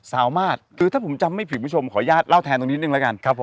สามารถคือถ้าผมจำไม่ผิดคุณผู้ชมขออนุญาตเล่าแทนตรงนี้หนึ่งแล้วกันครับผม